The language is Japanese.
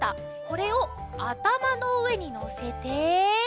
これをあたまのうえにのせて。